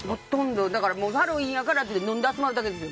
ハロウィーンやからって飲んで集まるだけです。